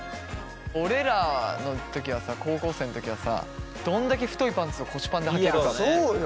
俺らの時はさ高校生の時はさどんだけ太いパンツを腰パンではけるかね。